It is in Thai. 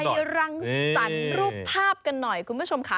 รังสรรค์รูปภาพกันหน่อยคุณผู้ชมค่ะ